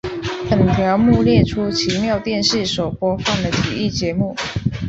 本条目列出奇妙电视所播放的体育节目。